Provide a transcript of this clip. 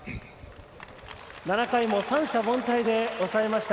７回も三者凡退で抑えました。